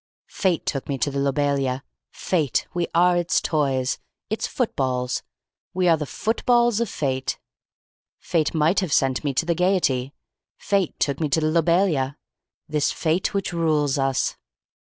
"Fate took me to the Lobelia. Fate! We are its toys. Its footballs. We are the footballs of Fate. Fate might have sent me to the Gaiety. Fate took me to the Lobelia. This Fate which rules us.